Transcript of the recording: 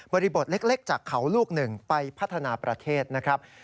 ริบทเล็กจากเขาลูกหนึ่งไปพัฒนาประเทศนะครับ